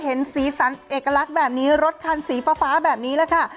สีสันเอกลักษณ์แบบนี้รถคันสีฟ้าแบบนี้แหละค่ะ